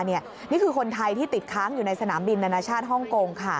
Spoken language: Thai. นี่คือคนไทยที่ติดค้างอยู่ในสนามบินนานาชาติฮ่องกง